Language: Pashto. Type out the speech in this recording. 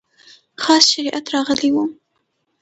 خاص شریعت راغلی و.